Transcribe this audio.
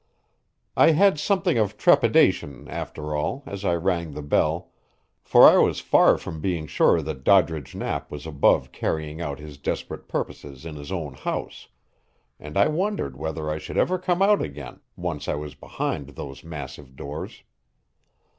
I had something of trepidation, after all, as I rang the bell, for I was far from being sure that Doddridge Knapp was above carrying out his desperate purposes in his own house, and I wondered whether I should ever come out again, once I was behind those massive doors.